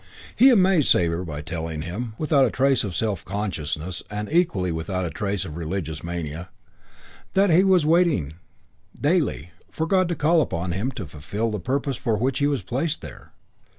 He amazed Sabre by telling him, without trace of self consciousness and equally without trace of religious mania, that he was waiting, daily, for God to call upon him to fulfil the purpose for which he was placed there.